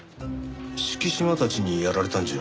敷島たちにやられたんじゃ？